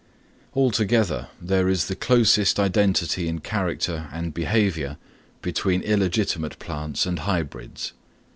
Altogether there is the closest identity in character and behaviour between illegitimate plants and hybrids.